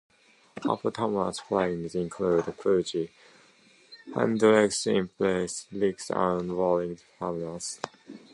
Hampton's playing included fuzzy, Hendrix-inspired licks and wailing harmonics.